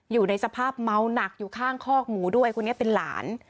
อยู่ในสภาพเมาหนักอยู่ข้างคอกหมูด้วยคนนี้เป็นหลาน